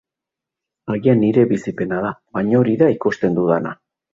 Agian nire bizipena da, baina hori da ikusten dudana.